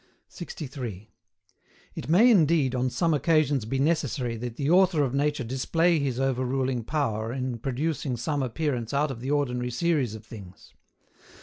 63. It may indeed on some occasions be necessary that the Author of nature display His overruling power in producing some appearance out of the ordinary series of things.